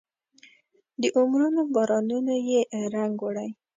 د عمرونو بارانونو یې رنګ وړی